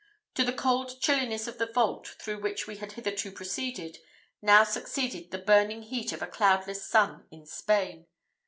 To the cold chilliness of the vault through which we had hitherto proceeded, now succeeded the burning heat of a cloudless sun in Spain.